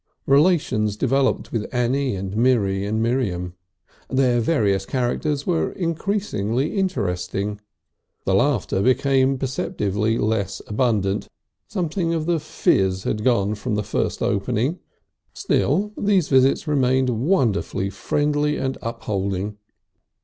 Relations developed with Annie and Minnie and Miriam. Their various characters were increasingly interesting. The laughter became perceptibly less abundant, something of the fizz had gone from the first opening, still these visits remained wonderfully friendly and upholding.